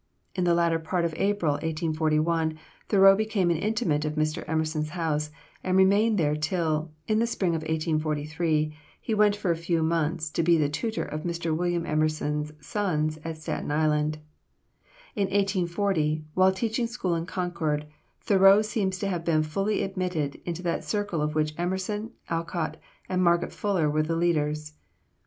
In the latter part of April, 1841, Thoreau became an inmate of Mr. Emerson's house, and remained there till, in the spring of 1843, he went for a few months to be the tutor of Mr. William Emerson's sons at Staten Island. In 1840, while teaching school in Concord, Thoreau seems to have been fully admitted into that circle of which Emerson, Alcott, and Margaret Fuller were the leaders.